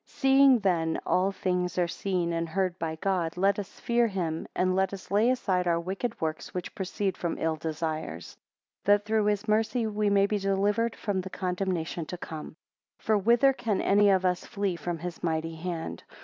SEEING then all things are seen and heard by God, let us fear him, and let us lay aside our wicked works which proceed from ill desires; that through his mercy we may be delivered from the condemnation to come. 2 For whither can any of us flee from his mighty hand?